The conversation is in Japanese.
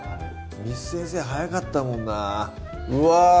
簾先生早かったもんなぁうわ